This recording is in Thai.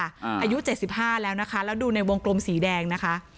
อายุ๗๕แล้วนะคะแล้วดูในวงกลมสีแดงนะคะ